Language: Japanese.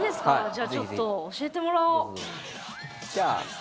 じゃあちょっと教えてもらおう。